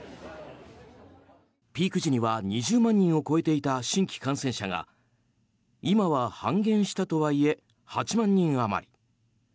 ピーク時には２０万人を超えていた新規感染者が今は半減したとはいえ８万人余り。